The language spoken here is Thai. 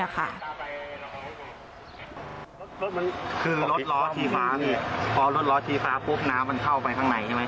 รถมันคือรถล้อชี้ฟ้าพอรถล้อชี้ฟ้าปุ๊บน้ำมันเข้าไปข้างในใช่ไหม